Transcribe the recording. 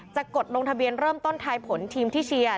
กดลงทะเบียนเริ่มต้นทายผลทีมที่เชียร์